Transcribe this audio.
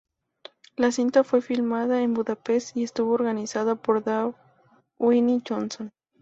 La cinta fue filmada en Budapest y estuvo protagonizada por Dwayne Johnson.